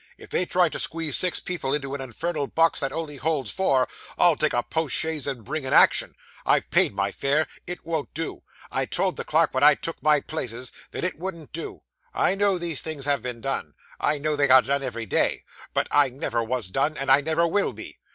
If they try to squeeze six people into an infernal box that only holds four, I'll take a post chaise and bring an action. I've paid my fare. It won't do; I told the clerk when I took my places that it wouldn't do. I know these things have been done. I know they are done every day; but I never was done, and I never will be.